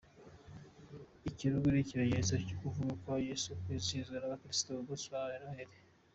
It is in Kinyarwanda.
Ikirugu ni ikimenyetso cyo kuvuka kwa Yesu kwizihizwa nabakristu ku munsi wa Noheli.